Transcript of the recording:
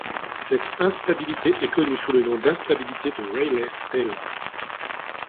Cette instabilité est connue sous le nom d'instabilité de Rayleigh-Taylor.